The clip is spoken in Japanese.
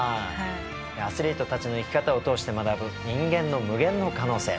アスリートたちの生き方を通して学ぶ人間の無限の可能性。